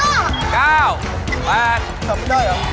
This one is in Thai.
หมดเวลา